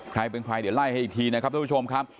ใครเป็นใครเดี๋ยวไล่ให้อีกทีนะครับทุกผู้ชมครับ